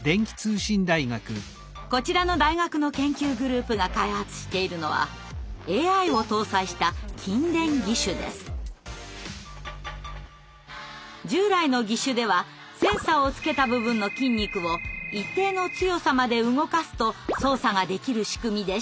こちらの大学の研究グループが開発しているのは従来の義手ではセンサーをつけた部分の筋肉を一定の強さまで動かすと操作ができる仕組みでしたが。